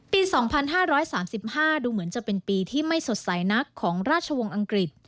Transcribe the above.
ปี๒๕๓๕ดูเหมือนจะเป็นปีที่ไม่สดใสนักของราชวงศ์อังกฤษ